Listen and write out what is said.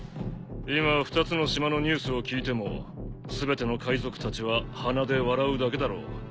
今２つの島のニュースを聞いても全ての海賊たちは鼻で笑うだけだろう。